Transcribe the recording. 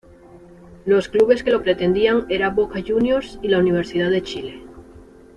Los clubes que lo pretendían era Boca Juniors y la Universidad de Chile.